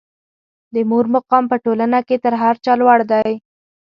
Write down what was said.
د مور مقام په ټولنه کې تر هر چا لوړ دی.